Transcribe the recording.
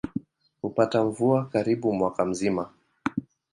Hupata mvua karibu mwaka mzima.